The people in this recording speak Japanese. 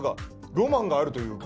ロマンがあるというか。